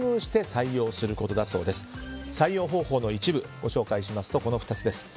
採用方法の一部をご紹介しますとこの２つです。